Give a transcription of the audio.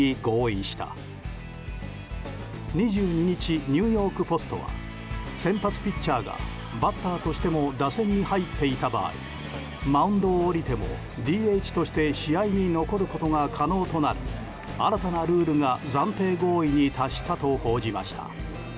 ２２日、ニューヨーク・ポストは先発ピッチャーがバッターとしても打線に入っていた場合マウンドを降りてもＤＨとして試合に残ることが可能となる新たなルールが暫定合意に達したと報じました。